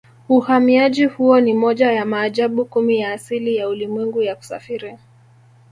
Uhamiaji huo ni moja ya maajabu kumi ya asili ya ulimwengu ya kusafiri